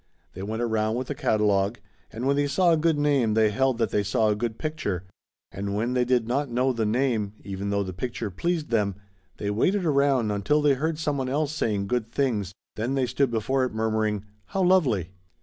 They went around with a catalogue and when they saw a good name they held that they saw a good picture. And when they did not know the name, even though the picture pleased them, they waited around until they heard someone else saying good things, then they stood before it murmuring, "How lovely."